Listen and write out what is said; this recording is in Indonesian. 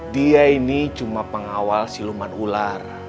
dia ini cuma pengawal siluman ular